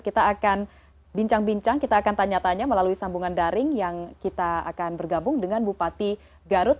kita akan bincang bincang kita akan tanya tanya melalui sambungan daring yang kita akan bergabung dengan bupati garut